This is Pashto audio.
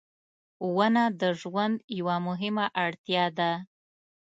• ونه د ژوند یوه مهمه اړتیا ده.